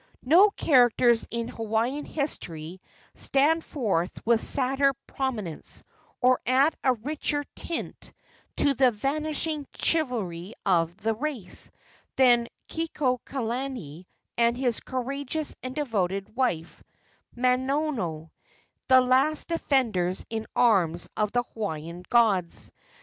No characters in Hawaiian history stand forth with a sadder prominence, or add a richer tint to the vanishing chivalry of the race, than Kekuaokalani and his courageous and devoted wife, Manono, the last defenders in arms of the Hawaiian gods.